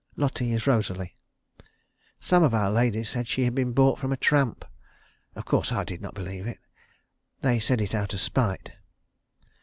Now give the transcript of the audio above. Lotty is Rosalie. Some of our ladies said she had been bought from a tramp. Of course I did not believe it. They said it out of spite.